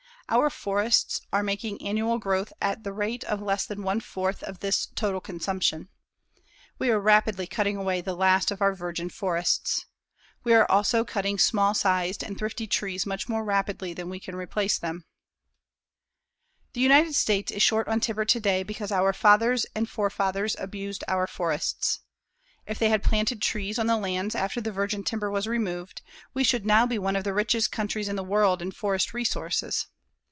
Our forests are making annual growth at the rate of less than one fourth of this total consumption. We are rapidly cutting away the last of our virgin forests. We also are cutting small sized and thrifty trees much more rapidly than we can replace them. [Illustration: A FOREST CROP ON ITS WAY TO THE MARKET] The United States is short on timber today because our fathers and forefathers abused our forests. If they had planted trees on the lands after the virgin timber was removed, we should now be one of the richest countries in the world in forest resources.